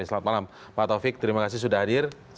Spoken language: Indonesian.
selamat malam pak taufik terima kasih sudah hadir